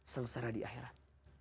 sengsara di akhirat